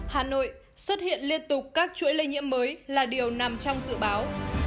hà nội xuất hiện liên tục các chuỗi lây nhiễm mới là điều nằm trong dự báo